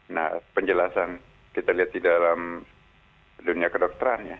nah penjelasan kita lihat di dalam dunia kedokteran ya